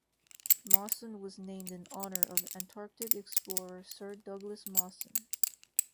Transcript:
Mawson was named in honour of Antarctic explorer Sir Douglas Mawson.